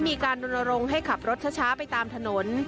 มีการรณรงค์ให้ขับรถช้าไปตามถนน